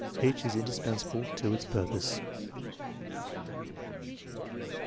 Each is indispensable to its purpose.